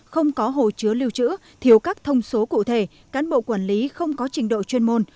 không có hồ chứa lưu trữ thiếu các thông số cụ thể cán bộ quản lý không có trình độ chuyên môn